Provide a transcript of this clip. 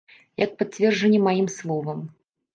Як пацверджанне маім словам.